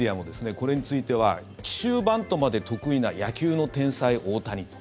これについては奇襲バントまで得意な野球の天才、大谷と。